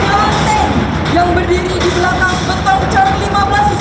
dan beri tangan yang berdiri di belakang betoncat lima belas cm